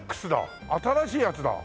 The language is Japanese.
新しいやつだ。